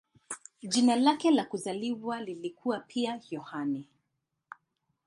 Jina lake la kuzaliwa lilikuwa pia "Yohane".